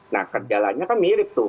nah kendalanya kan mirip tuh